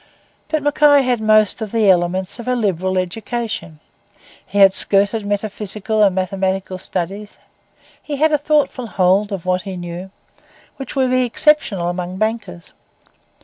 But Mackay had most of the elements of a liberal education. He had skirted metaphysical and mathematical studies. He had a thoughtful hold of what he knew, which would be exceptional among bankers.